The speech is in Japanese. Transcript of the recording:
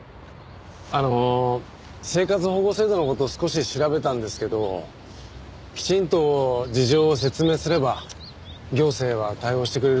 あの生活保護制度の事少し調べたんですけどきちんと事情を説明すれば行政は対応してくれるそうです。